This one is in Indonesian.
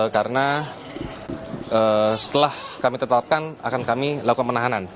karena setelah kami tetapkan akan kami lakukan penahanan